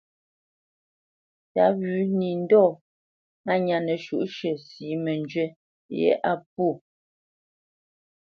Tǎ wʉ̌ nǐ ndɔ̂ hánya nəshwǔʼshʉ̂ sǐ njywí yě á pwô.